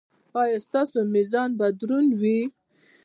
ایا ستاسو میزان به دروند وي؟